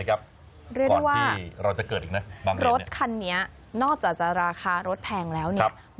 ก่อนที่เราก็จะเกิดอีกนะบำเรียนว่ารถคันเนี้ยนอกจากจะราคารถแพงแล้วเนี้ยใช่